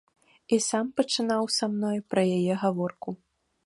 І сам пачынаў са мною пра яе гаворку.